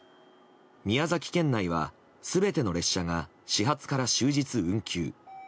宮崎県内は全ての列車が始発から終日運休。